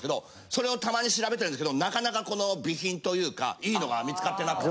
それをたまに調べてるんですけどなかなかこの美品というかいいのが見つかってなくて。